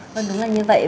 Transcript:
vâng đúng là như vậy